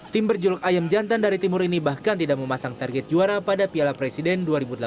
tim berjuluk ayam jantan dari timur ini bahkan tidak memasang target juara pada piala presiden dua ribu delapan belas